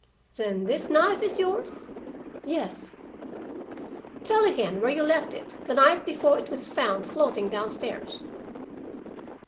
"Then this knife is yours?" "Yes." "Tell again where you left it the night before it was found floating down stairs."